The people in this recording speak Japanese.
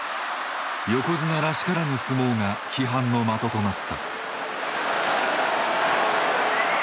横綱らしからぬ相撲が批判の的となった。